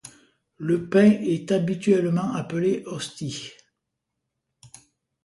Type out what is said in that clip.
Le pain est habituellement appelé hostie.